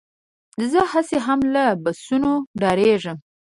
زه هسې هم له بسونو ډارېږم.